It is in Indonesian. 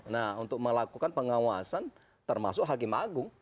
nah untuk melakukan pengawasan termasuk hakim agung